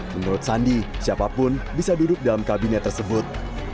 menurut sandi siapapun bisa duduk dalam kabinet tersebut